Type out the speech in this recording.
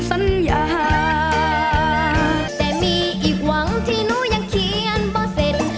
แต่มีอีกหวังที่หนูยังเขียนเป้าเสร็จ